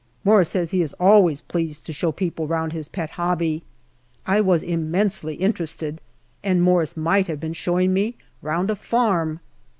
Morris says he is always pleased to show people round his pet hobby. I was immensely interested, and Morris might have been showing me round a farm.